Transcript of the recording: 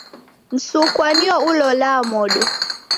Msukwa nio ulolaa modo.